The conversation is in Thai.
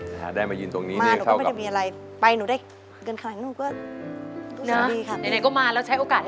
ถ้าได้มายืนตรงนี้นี่เท่ากับ